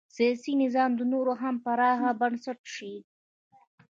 سیاسي نظام نور هم پراخ بنسټه شي.